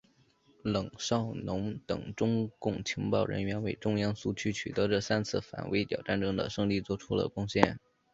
冷少农等中共情报人员为中央苏区取得这三次反围剿战争的胜利作出了贡献。